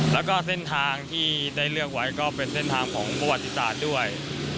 แล้วก็เส้นทางที่ได้เลือกไว้ก็เป็นเส้นทางของประวัติศาสตร์ด้วย